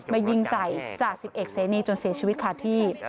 มายิงใส่จาก๑๑เสนียจนเสียชีวิตค่าที่